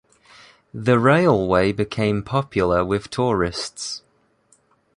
The railway became popular with tourists.